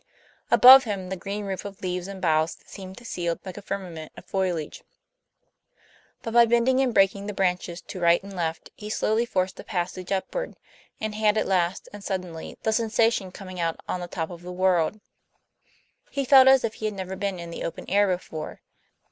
Above him the green roof of leaves and boughs seemed sealed like a firmament of foliage; but, by bending and breaking the branches to right and left he slowly forced a passage upward; and had at last, and suddenly, the sensation coming out on the top of the world. He felt as if he had never been in the open air before.